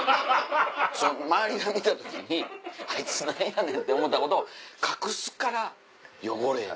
周りが見た時にあいつ何やねんって思ったことを隠すからヨゴレや。